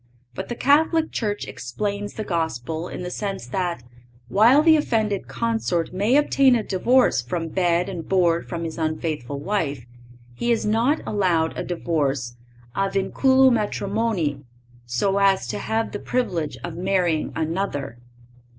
But the Catholic Church explains the Gospel in the sense that, while the offended consort may obtain a divorce from bed and board from his unfaithful wife, he is not allowed a divorce a vinculo matrimonii, so as to have the privilege of marrying another.